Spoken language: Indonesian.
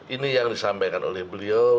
ini yang disampaikan oleh beliau